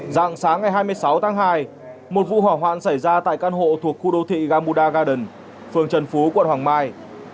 dạng sáng ngày hai mươi sáu tháng hai một vụ hỏa hoạn xảy ra tại căn hộ thuộc khu đô thị gamuda garden phường trần phú quận hoàng mai